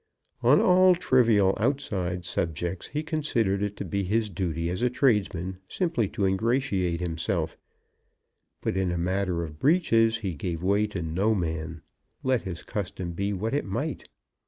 On all trivial outside subjects he considered it to be his duty as a tradesman simply to ingratiate himself; but in a matter of breeches he gave way to no man, let his custom be what it might.